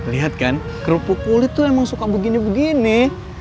lihat kan kerupuk kulit tuh emang suka begini begini